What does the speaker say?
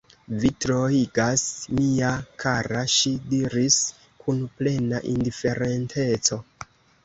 Vi troigas, mia kara, ŝi diris kun plena indiferenteco.